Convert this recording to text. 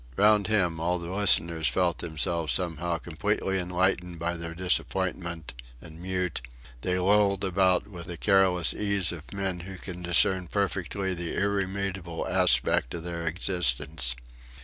Round him all the listeners felt themselves somehow completely enlightened by their disappointment, and mute, they lolled about with the careless ease of men who can discern perfectly the irremediable aspect of their existence.